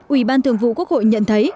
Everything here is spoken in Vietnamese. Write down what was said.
ủy ban thường vụ quốc hội nhận thấy